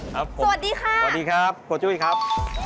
สวัสดีค่ะสวัสดีครับคุณจุ้ยครับ